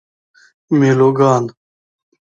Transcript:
میلوگان